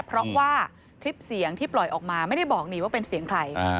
เพราะว่าคลิปเสียงที่ปล่อยออกมาไม่ได้บอกนี่ว่าเป็นเสียงใคร